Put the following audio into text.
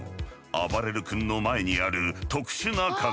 あばれる君の前にある特殊な鏡。